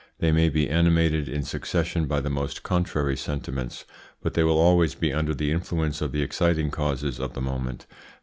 They may be animated in succession by the most contrary sentiments, but they will always be under the influence of the exciting causes of the moment.